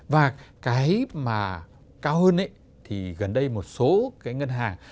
và cái mà cao hơn thì gần đây một số cái ngân hàng